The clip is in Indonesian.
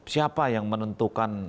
siapa yang menentukan